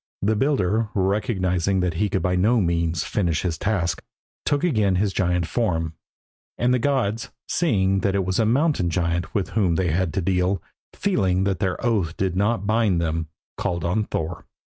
The builder, recognising that he could by no means finish his task, took again his giant form; and the gods, seeing that it was a mountain giant with whom they had to deal, feeling that their oath did not bind them, called on Thor.